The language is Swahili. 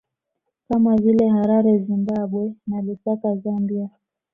Kama vile Harare Zimbabwe na Lusaka Zambia